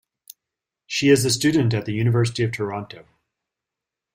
She is a student at the University of Toronto.